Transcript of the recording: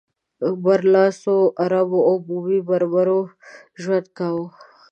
برلاسو عربو او بومي بربرو ژوند کاوه.